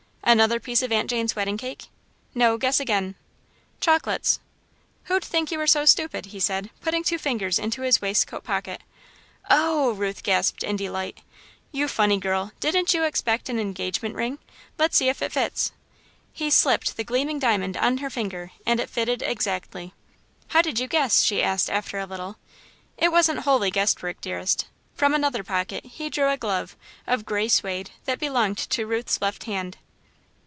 "Another piece of Aunt Jane's wedding cake?" "No, guess again." "Chocolates?" "Who'd think you were so stupid," he said, putting two fingers into his waistcoat pocket. "Oh h!" gasped Ruth, in delight. "You funny girl, didn't you expect an engagement ring? Let's see if it fits." He slipped the gleaming diamond on her finger and it fitted exactly. "How did you guess?" she asked, after a little. "It wasn't wholly guess work, dearest." From another pocket, he drew a glove, of grey suede, that belonged to Ruth's left hand.